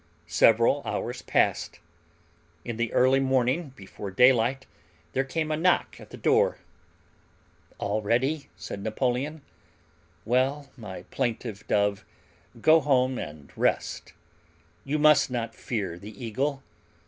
Several hours passed. In the early morning, before daylight, there came a knock at the door. "Already?" said Napoleon. "Well, my plaintive dove, go home and rest. You must not fear the eagle.